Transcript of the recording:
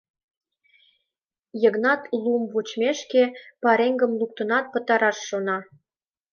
Йыгнат лум вочмешке пареҥгым луктынак пытараш шона.